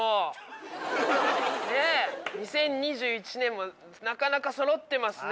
２０２１年もなかなかそろってますね。